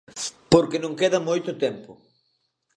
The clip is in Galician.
Porque non queda moito tempo.